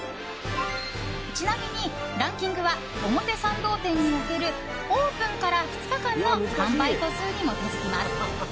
ちなみにランキングは表参道店におけるオープンから２日間の販売個数に基づきます。